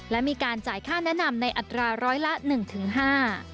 และมีการจ่ายค่าแนะนำในอัตราร้อยละ๑๕